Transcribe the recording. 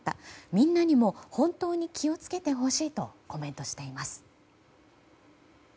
みんなにも本当に気を付けてほしいとコメントしています。